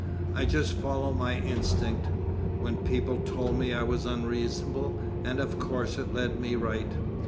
I just followed my instinct, when people told me I was unreasonable, and of course it led me right.